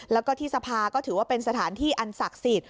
แล้วก็ที่สภาก็ถือว่าเป็นสถานที่อันศักดิ์สิทธิ